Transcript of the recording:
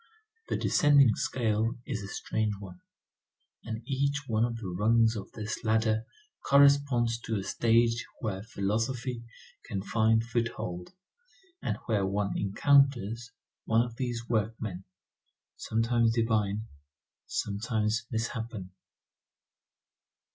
The descending scale is a strange one; and each one of the rungs of this ladder corresponds to a stage where philosophy can find foothold, and where one encounters one of these workmen, sometimes divine, sometimes misshapen.